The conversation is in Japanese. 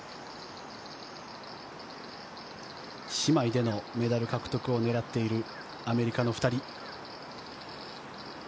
姉妹でのメダル獲得を狙っているアメリカの２人。